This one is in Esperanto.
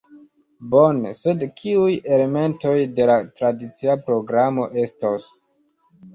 Bone, sed kiuj elementoj de la tradicia programo estos?